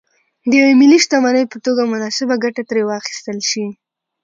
د یوې ملي شتمنۍ په توګه مناسبه ګټه ترې واخیستل شي.